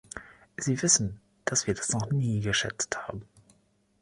Sie wissen, dass wir das noch nie geschätzt haben.